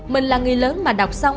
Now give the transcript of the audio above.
mình là người lớn mà đọc xong